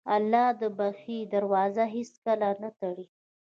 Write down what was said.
الله د بښنې دروازه هېڅکله نه تړي.